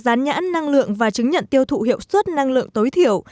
gián nhãn năng lượng và chứng nhận tiêu thụ hiệu suất năng lượng tối thiểu